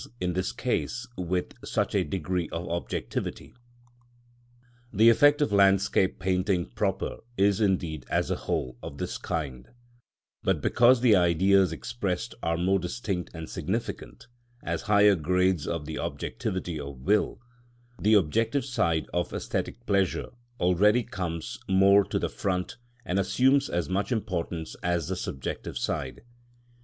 _, in this case with such a degree of objectivity. The effect of landscape painting proper is indeed, as a whole, of this kind; but because the Ideas expressed are more distinct and significant, as higher grades of the objectivity of will, the objective side of æsthetic pleasure already comes more to the front and assumes as much importance as the subjective side.